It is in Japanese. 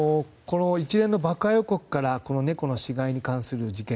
一連の爆破予告から猫の死骸に関する事件